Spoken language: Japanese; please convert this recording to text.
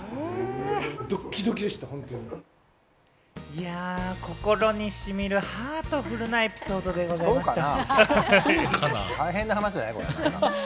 いや、心にしみるハートフルなエピソードでございました。